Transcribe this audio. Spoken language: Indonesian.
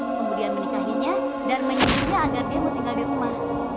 kemudian menikahinya dan menyimpulnya agar dia meninggal di rumah